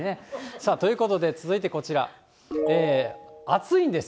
さあ、ということで、続いてこちら、暑いんです。